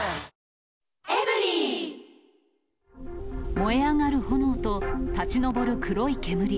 燃え上がる炎と立ち上る黒い煙。